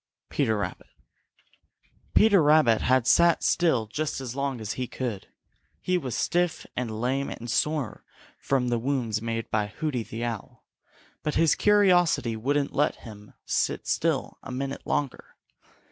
Peter Rabbit. Peter Rabbit had sat still just as long as he could. He was stiff and lame and sore from the wounds made by Hooty the Owl, but his curiosity wouldn't let him sit still a minute longer.